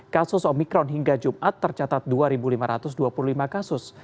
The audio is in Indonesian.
kasus omikron hingga jumat tercatat dua lima ratus dua puluh lima kasus